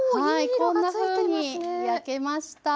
こんなふうに焼けました。